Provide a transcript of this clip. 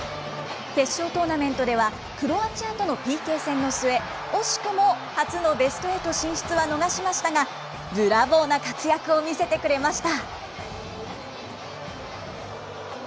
決勝トーナメントでは、クロアチアとのＰＫ戦の末、惜しくも初のベスト８進出は逃しましたが、ブラボーな活躍を見せてくれました。